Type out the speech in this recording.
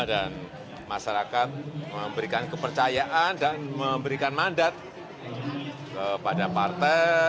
dan masyarakat memberikan kepercayaan dan memberikan mandat kepada partai